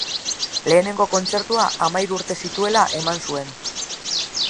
Lehenengo kontzertua hamahiru urte zituela eman zuen.